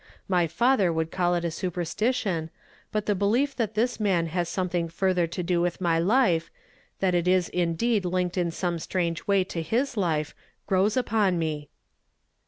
My father would call it a superstition; but the belief that this man has something further to do with my life, that it is indeed linked in some strange way to his life, grows upon me."